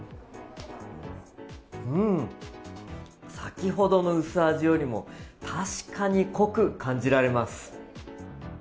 先ほどの薄味より確かに濃く感じられます。